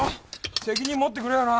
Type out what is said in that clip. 責任持ってくれよな。